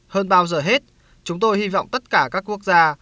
hơn bao giờ hết chúng tôi hy vọng tất cả các quốc gia